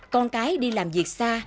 con cái đi làm việc xa